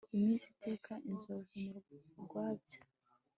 iminsi iteka inzovu mu rwabya